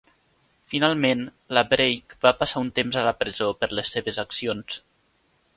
Finalment, LaBrake va passar un temps a la presó per les seves accions.